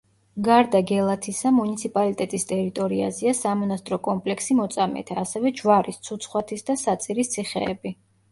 გარდა გელათისა, მუნიციპალიტეტის ტერიტორიაზეა სამონასტრო კომპლექსი მოწამეთა, ასევე ჯვარის, ცუცხვათის და საწირის ციხეები.